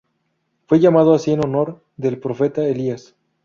Fue llamado así en honor del profeta Elías.